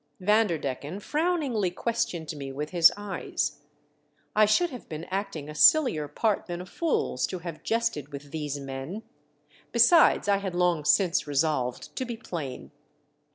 Vanderdecke^i frowningly questioned me with his eyes. I should have been acting a sillier part than a fool's to have jested with these men ; besides, I had long since resolved to be plain.